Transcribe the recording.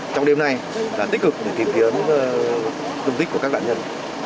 trong đêm nay là tích cực để tìm kiếm công tích của các đoạn nhân